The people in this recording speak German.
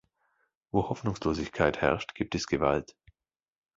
Wo Hoffnungslosigkeit herrscht, gibt es Gewalt.